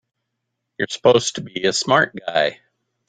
You're supposed to be a smart guy!